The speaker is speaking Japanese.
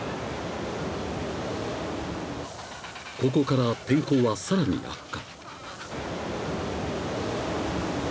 ［ここから天候はさらに悪化］